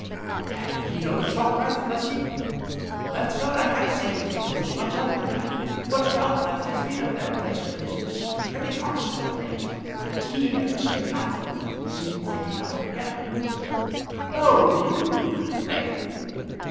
"And he knows Dockwrath, does he?" "Well, sir, I can't say that he knows much of the man; but Dockwrath has been at their place of business pretty constant of late, and he and Mr. Matthew seem thick enough together." "Oh! they do; do they?"